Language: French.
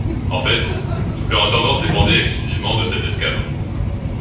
En fait, toute leur intendance dépendait exclusivement de cette escadre.